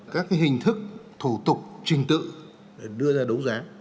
các hình thức thủ tục trình tự đưa ra đấu giá